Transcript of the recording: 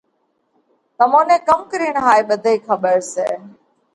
تمون نئہ ڪم ڪرينَ هائي ٻڌئِي کٻر سئہ؟